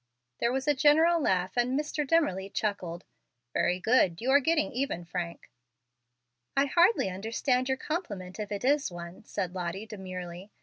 There was a general laugh, and Mr. Dimmerly chuckled, "Very good, you are getting even, Frank." "I hardly understand your compliment, if it is one," said Lottie, demurely.